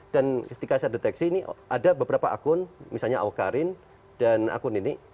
dan ketika saya deteksi ini ada beberapa akun misalnya awkarin dan akun ini